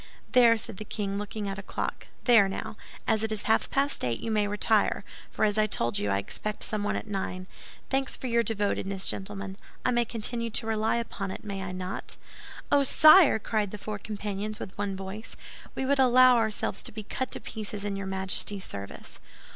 "There," said the king, looking at a clock, "there, now, as it is half past eight, you may retire; for as I told you, I expect someone at nine. Thanks for your devotedness, gentlemen. I may continue to rely upon it, may I not?" "Oh, sire!" cried the four companions, with one voice, "we would allow ourselves to be cut to pieces in your Majesty's service."